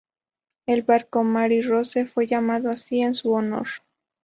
El barco Mary Rose fue llamado así en su honor.